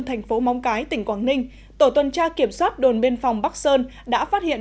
thành phố móng cái tỉnh quảng ninh tổ tuần tra kiểm soát đồn biên phòng bắc sơn đã phát hiện